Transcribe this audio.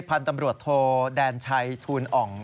พันธุ์ตำรวจโทแดนชัยทูลอ่อง